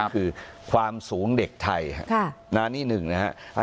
คือความสูงเด็กไทยนี่หนึ่งนะครับ